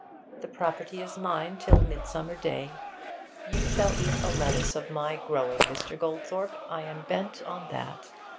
The property is mine till midsummer day. You shall eat a lettuce of my growing, Mr. Goldthorpe; I am bent on that.